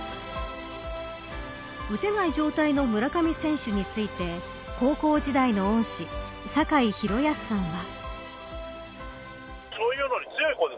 打てない状態の村上選手について高校時代の恩師坂井宏安さんは。